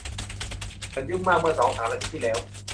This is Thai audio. ฉันยุ่งมากเมื่อสองสามอาทิตย์ที่แล้ว